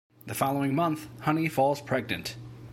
The following month, Honey falls pregnant.